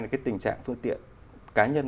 là cái tình trạng phương tiện cá nhân